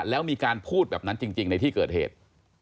แล้วมีการพูดแบบนั้นจริงในที่เกิดเหตุ